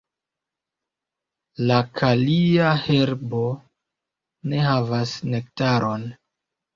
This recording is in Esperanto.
La kalia herbo ne havas nektaron.